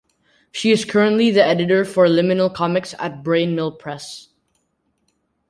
She is currently the editor for Liminal Comics at Brain Mill Press.